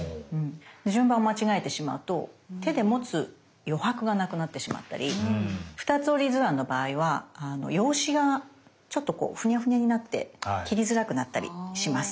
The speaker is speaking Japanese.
順番を間違えてしまうと手で持つ余白がなくなってしまったり２つ折り図案の場合は用紙がちょっとこうフニャフニャになって切りづらくなったりします。